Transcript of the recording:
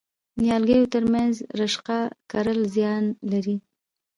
د نیالګیو ترمنځ رشقه کرل زیان لري؟